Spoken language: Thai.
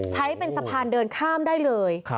ใช้เป็นสะพานเดินข้ามได้เลย